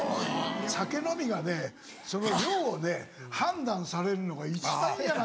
酒飲みがねその量をね判断されるのが一番嫌なんだよ。